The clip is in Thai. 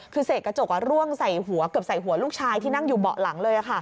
คือเสกกระจกร่วงใส่หัวเกือบใส่หัวลูกชายที่นั่งอยู่เบาะหลังเลย